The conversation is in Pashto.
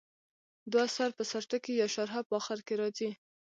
دوه سر په سر ټکي یا شارحه په اخر کې راځي.